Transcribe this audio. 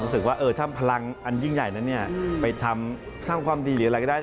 รู้สึกว่าถ้าพลังอันยิ่งใหญ่นั้นไปทำสร้างความดีหรืออะไรก็ได้